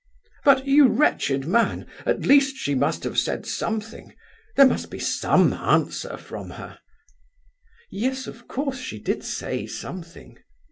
"But, you wretched man, at least she must have said something? There must be some answer from her!" "Yes, of course, she did say something!"